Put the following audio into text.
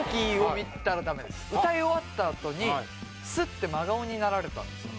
歌い終わったあとにスッて真顔になられたんですよ